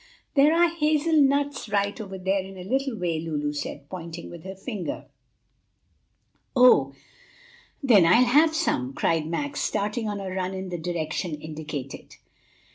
"There are hazel nuts right over there a little way," Lulu said, pointing with her finger. "Oh, then I'll have some!" cried Max, starting on a run in the direction indicated.